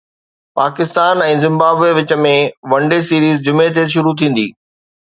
Pakistan ۽ Zimbabwe وچ ۾ one day series جمعي تي شروع ٿيندي